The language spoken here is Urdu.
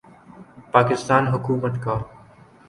پاکستان حکومت کا